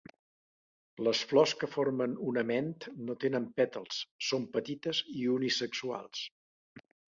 Les flors que formen un ament no tenen pètals, són petites i unisexuals.